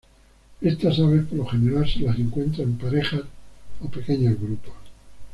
Estas aves por lo general se las encuentra en parejas o pequeños grupos.